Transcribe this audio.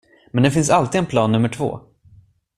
Men det finns alltid en plan nummer två.